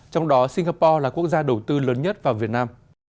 trong đó singapore là quốc gia đầu tư lớn nhất vào việt nam